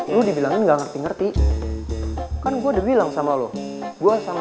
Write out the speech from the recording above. yang ada gue yang diwukum